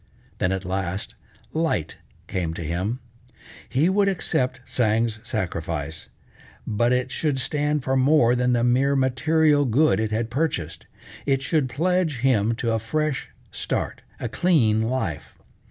Then at last, light came to him. He would accept Tsang's sacrifice but it should stand for more than the mere material good it had purchased. It should pledge him to a fresh start, a clean life.